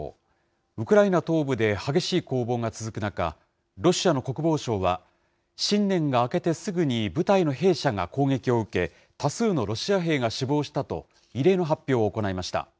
ウクライナ東部で激しい攻防が続く中、ロシアの国防省は、新年が明けてすぐに部隊の兵舎が攻撃を受け、多数のロシア兵が死亡したと、異例の発表を行いました。